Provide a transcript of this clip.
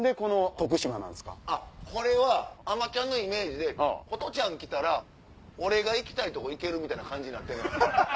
これは『あまちゃん』のイメージでホトちゃん来たら俺が行きたいとこ行ける感じになってるんですよ。